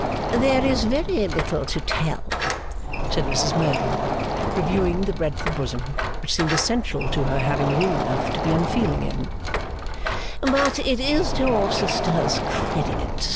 'There is very little to tell,' said Mrs Merdle, reviewing the breadth of bosom which seemed essential to her having room enough to be unfeeling in, 'but it is to your sister's credit.